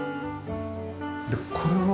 でこれは。